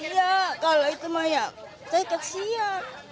ya kalau itu mah ya saya kesian